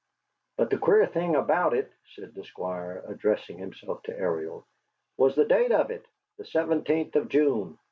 "But the queer thing about it," said the Squire, addressing himself to Ariel, "was the date of it, the seventeenth of June.